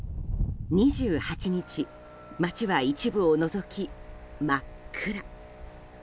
２８日、街は一部を除き真っ暗。